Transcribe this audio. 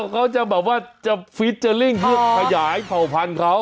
เขาจะแบบว่าจะฟิเจอร์ลิ่งเพื่อขยายเผ่าพันธุ์เขา